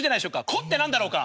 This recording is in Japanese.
「こ」って何だろうか。